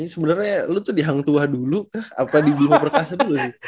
sebenernya lu tuh di hang tua dulu kah atau di bimber perkasa dulu sih